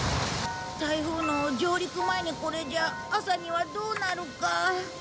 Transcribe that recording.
台風の上陸前にこれじゃ朝にはどうなるか。